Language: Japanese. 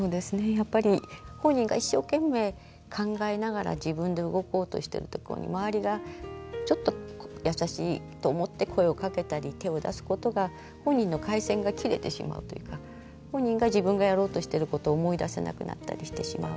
やっぱり本人が一生懸命考えながら自分で動こうとしているとこに周りがちょっと優しいと思って声をかけたり手を出すことが本人の回線が切れてしまうというか本人が自分がやろうとしてることを思い出せなくなったりしてしまう。